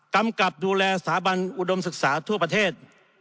กำกับดูแลสถาบันอุดมศึกษาทั่วประเทศ